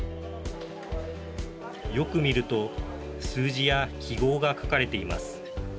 よく見ると数字や記号が書かれています。